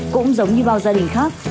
cũng giống như bao gia đình khác